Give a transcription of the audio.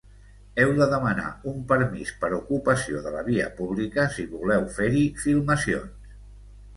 Heu de demanar un permís per ocupació de la via pública si voleu fer-hi filmacions.